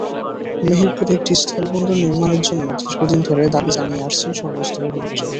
মেহেরপুরে একটি স্থলবন্দর নির্মাণের জন্য দীর্ঘদিন ধরে দাবি জানিয়ে আসছেন সর্বস্তরের লোকজন।